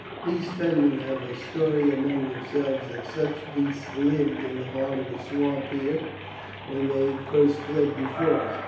These Fenmen have a story among themselves that such beasts lived in the heart of the swamp here when they first fled before us.